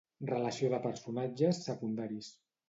Relació de personatges secundaris.